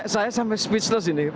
saya sampai speechless ini